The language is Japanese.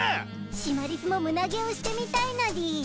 シマリスも胸毛をしてみたいのでぃす。